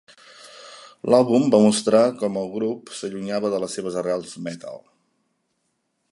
L'àlbum va mostrar com el grup s'allunyava de les seves arrels "metal".